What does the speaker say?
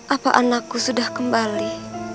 apa anakku sudah kembali